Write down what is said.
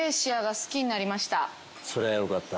そりゃよかった。